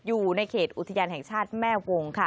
อยู่ในเขตอุทยานแห่งชาติแม่วงค่ะ